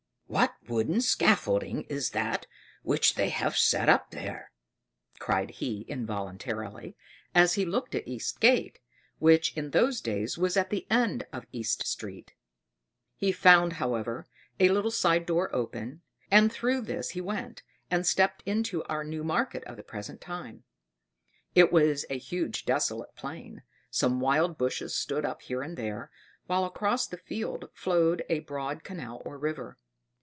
What wooden scaffolding is that which they have set up there?" cried he involuntarily, as he looked at East Gate, which, in those days, was at the end of East Street. He found, however, a little side door open, and through this he went, and stepped into our New Market of the present time. It was a huge desolate plain; some wild bushes stood up here and there, while across the field flowed a broad canal or river.